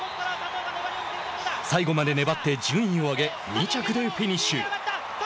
最後まで粘って順位を上げ２着でフィニッシュ。